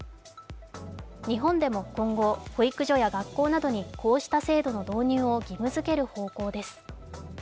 日本でも今後、保育所や学校などにこうした制度の導入を義務づける方向です。